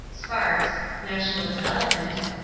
= Sparks, National Development, pp.